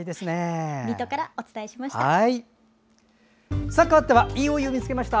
水戸からお伝えしました。